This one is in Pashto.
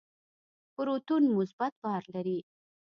پروتون مثبت بار لري.